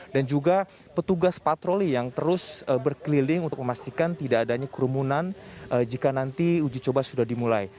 dan juga petugas patroli yang terus berkeliling untuk memastikan tidak adanya kerumunan jika nanti uji coba sudah dimulai